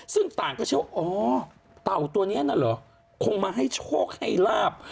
ซึ่งต่างก็เชื่อว่าอ๋อเต่าตัวนี้นั่นเหรอคงมาให้โชคให้ลาบ